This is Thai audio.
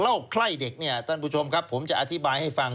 ใคร่เด็กเนี่ยท่านผู้ชมครับผมจะอธิบายให้ฟัง